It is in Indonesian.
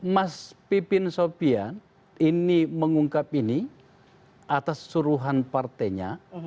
mas pipin sopian ini mengungkap ini atas suruhan partainya